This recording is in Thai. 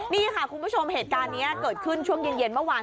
นี่ค่ะคุณผู้ชมเหตุการณ์นี้เกิดขึ้นช่วงเย็นเมื่อวาน